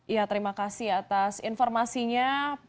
ya terima kasih atas informasinya